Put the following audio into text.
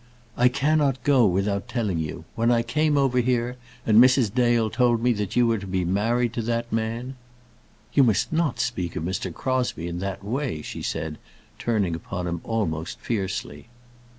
"I cannot go without telling you. When I came over here, and Mrs. Dale told me that you were to be married to that man " "You must not speak of Mr. Crosbie in that way," she said, turning upon him almost fiercely.